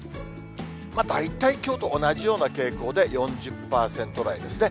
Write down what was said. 大体きょうと同じような傾向で４０％台ですね。